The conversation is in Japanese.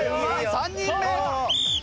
３人目。